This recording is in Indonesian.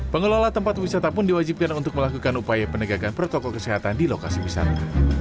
pengelola tempat wisata pun diwajibkan untuk melakukan upaya penegakan protokol kesehatan di lokasi wisata